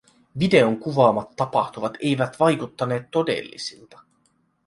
Videon kuvaamat tapahtumat eivät vaikuttaneet todellisilta.